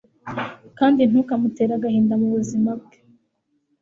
kandi ntukamutere agahinda mu buzima bwe